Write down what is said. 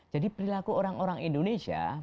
jadi perilaku orang orang indonesia